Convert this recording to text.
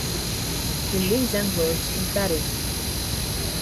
He lives and works in Paris.